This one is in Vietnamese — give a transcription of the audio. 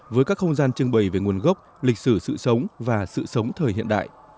với các không gian trưng bày về nguồn gốc lịch sử sự sống và sự sống thời hiện đại